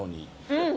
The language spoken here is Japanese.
うん！